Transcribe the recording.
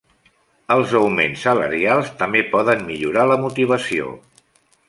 Els augments salarials també poden millorar la motivació.